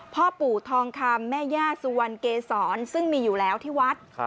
พ่อปู่ทองคำแม่ย่าสุวรรณเกษรซึ่งมีอยู่แล้วที่วัด